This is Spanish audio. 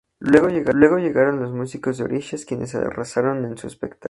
Luego llegaron los músicos de Orishas quienes arrasaron en su espectáculo.